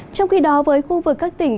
trong khi đó với khu vực các tỉnh